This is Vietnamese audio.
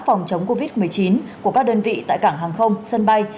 phòng chống covid một mươi chín của các đơn vị tại cảng hàng không sân bay